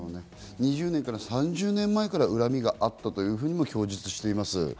２０年から３０年前から恨みがあったとも供述しています。